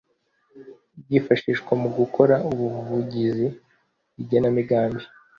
Byifashishwa mu gukora ubuvugizi igenamigambi